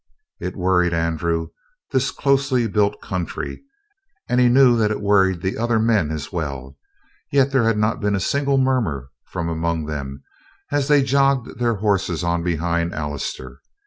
It worried Andrew, this closely built country, and he knew that it worried the other men as well; yet there had not been a single murmur from among them as they jogged their horses on behind Allister.